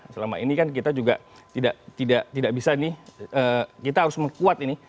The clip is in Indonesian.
selama ini kan kita juga tidak bisa nih kita harus mengkuat ini